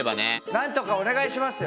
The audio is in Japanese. なんとかお願いしますよ。